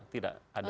tidak ada perubahan